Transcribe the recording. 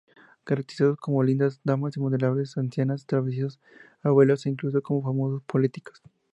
Caracterizados como lindas damas, venerables ancianas, traviesos abuelos e incluso como famoso políticos.